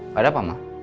pada apa ma